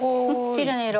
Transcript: きれいな色。